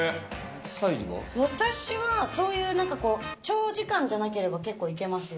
私はそういうなんかこう、長時間じゃなければ、結構いけますよ。